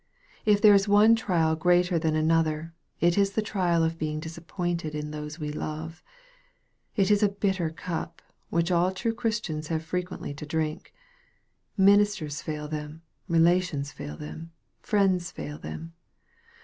If there is one trial greater than another, it is the trial of being disappointed in those we love. It is a bitter cup, which all true Christians have frequently to drink. Ministers fail them. Kelations fail them. Friends fail them.